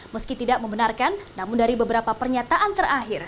meski tidak membenarkan namun dari beberapa pernyataan terakhir